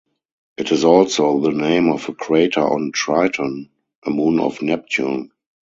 It is also the name of a crater on Triton, a moon of Neptune.